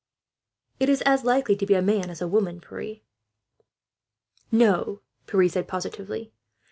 "It is as likely to be a man as a woman, Pierre." "No," Pierre said positively.